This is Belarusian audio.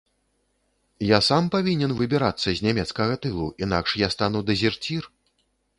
Я сам павінен выбірацца з нямецкага тылу, інакш я стану дэзерцір.